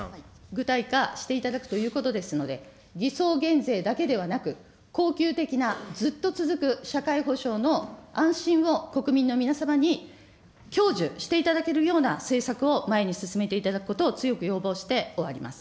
具体化していただくということですので、偽装減税だけではなく、恒久的なずっと続く社会保障の安心を国民の皆様に享受していただけるような政策を前に進めていただくことを強く要望して終わります。